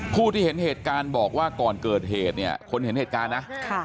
ผู้ที่เห็นเหตุการณ์บอกว่าก่อนเกิดเหตุเนี่ยคนเห็นเหตุการณ์นะ